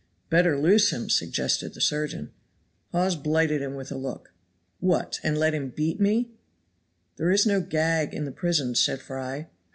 "Better loose him," suggested the surgeon. Hawes blighted him with a look. "What; and let him beat me?" "There is no gag in the prison," said Fry.